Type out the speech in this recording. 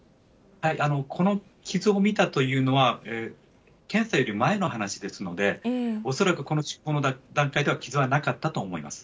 この傷を見たというのは、検査より前の話ですので、恐らくこの出港の段階では傷はなかったと思います。